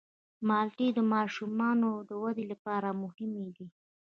مالټې د ماشومانو د ودې لپاره مهمې دي.